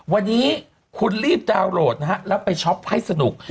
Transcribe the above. วันนี้คุณรีบดาวน์โหลดนะฮะแล้วไปช็อปให้สนุก